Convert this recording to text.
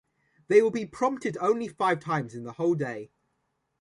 They will be prompted only five times in the whole day.